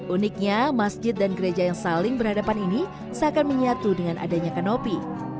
uniknya masjid dan gereja yang saling berhadapan ini seakan menyatu dengan adanya kanopi